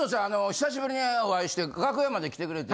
久しぶりにお会いして楽屋まで来てくれて。